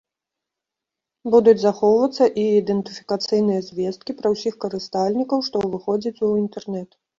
Будуць захоўвацца і ідэнтыфікацыйныя звесткі пра ўсіх карыстальнікаў, што выходзяць у інтэрнэт.